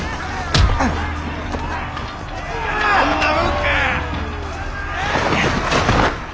そんなもんか！